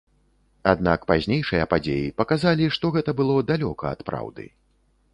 Аднак пазнейшыя падзеі паказалі, што гэта было далёка ад праўды.